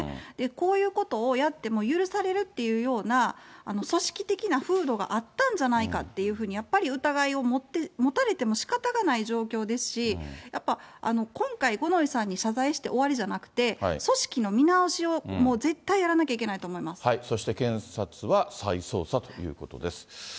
こういうことをやっても許されるっていうような組織的な風土があったんじゃないかっていうふうに、やっぱり疑いを持たれてもしかたがない状況ですし、やっぱ、今回、五ノ井さんに謝罪して終わりじゃなくて、組織の見直しを、もう絶そして検察は再捜査ということです。